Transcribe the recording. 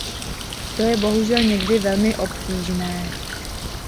To je bohužel někdy velmi obtížné.